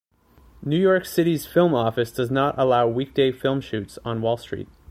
New York City's film office does not allow weekday film shoots on Wall Street.